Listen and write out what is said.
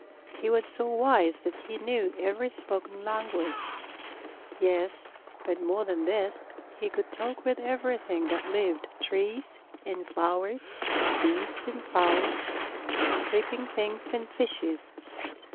He was so wise that he knew every spoken language; yes, but more than this, he could talk with everything that lived, trees and flowers, beasts and fowls, creeping things and fishes.